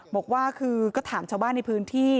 บอกว่าคือก็ถามชาวบ้านในพื้นที่